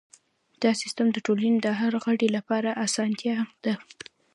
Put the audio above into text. دا سیستم د ټولنې د هر غړي لپاره اسانتیا ده.